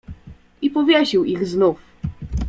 "I powiesił ich znów."